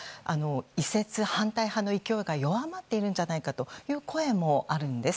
移設反対派の勢いが弱まっているんじゃないかという声もあるんです。